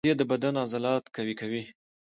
مالټې د بدن عضلات قوي کوي.